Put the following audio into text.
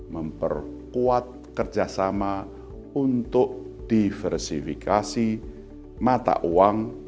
memperkuat kerjasama untuk diversifikasi mata uang